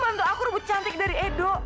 tolong bantu aku ruput cantik dari edo